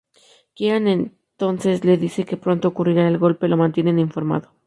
Kieran entonces le dice que pronto ocurrirá el golpe; lo mantienen informado.